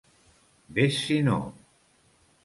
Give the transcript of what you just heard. Ves si no!